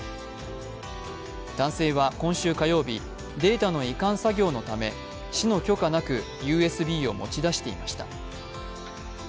男性は今週火曜日、データの移管作業のため市の許可なくＵＳＢを持ち出していました。